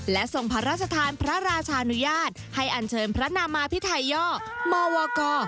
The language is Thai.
และทรงพระราชทานพระราชานุญาตให้อันเชิญพระนามาพิไทยย่อมวก